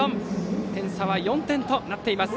点差は４点となっています。